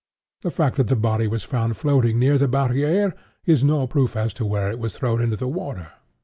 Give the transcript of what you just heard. The fact that the body was found floating near the Barrière, is no proof as to where it was thrown into the water.....